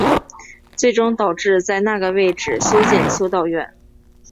最终导致在那个位置修建修道院。